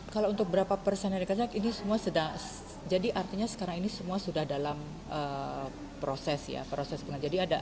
kalau untuk berapa persen yang dikatakan ini semua sudah jadi artinya sekarang ini semua sudah dalam proses ya proses pengadilan